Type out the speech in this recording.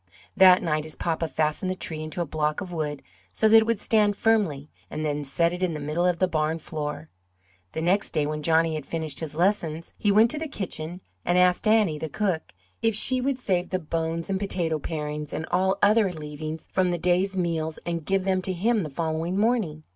That night his papa fastened the tree into a block of wood so that it would stand firmly and then set it in the middle of the barn floor. The next day when Johnny had finished his lessons he went to the kitchen, and asked Annie, the cook, if she would save the bones and potato parings and all other leavings from the day's meals and give them to him the following morning.